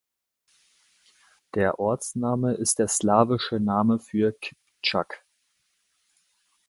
Der Ortsname ist der slawische Name für die Kiptschak.